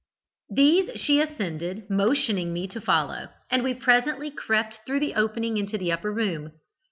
These she ascended, motioning me to follow, and we presently crept through the opening into the upper room.